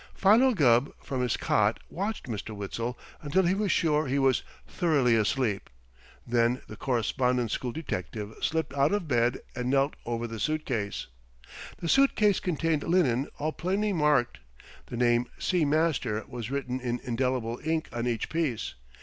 Philo Gubb, from his cot, watched Mr. Witzel until he was sure he was thoroughly asleep. Then the Correspondence School detective slipped out of bed and knelt over the suitcase. The suitcase contained linen all plainly marked. The name "C. Master" was written in indelible ink on each piece.